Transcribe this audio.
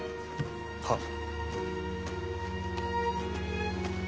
はっ。